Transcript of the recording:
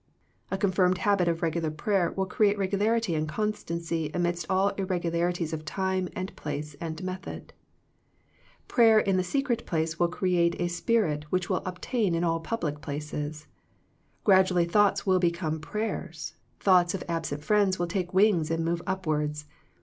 A confirmed habit of regular prayer will create regularity and constancy amidst all irregularities of time and place and method. Prayer in the secret place will create a spirit ^ which will obtain in all public places. Grad ually thoughts will become prayers, thoughts of absent friends will take wings and move up wards.